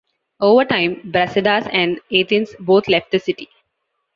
Over time, Brasidas and Athens both left the city.